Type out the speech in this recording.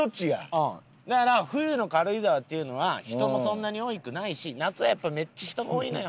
だから冬の軽井沢っていうのは人もそんなに多くないし夏はやっぱりめっちゃ人が多いのよ。